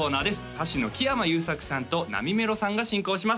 歌手の木山裕策さんとなみめろさんが進行します